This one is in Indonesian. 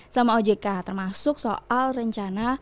sama ojk termasuk soal rencana